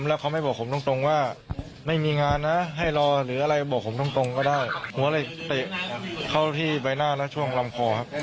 หรืออะไรบอกผมตรงก็ได้ผมก็เลยเตะเข้ารถที่ใบหน้าและช่วงลำคอ